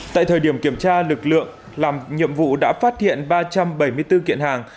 tại thời điểm kiểm tra lực lượng làm nhiệm vụ đã phát hiện ba trăm bảy mươi bốn kiện hàng